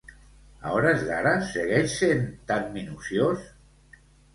A hores d'ara segueix sent tan minuciós?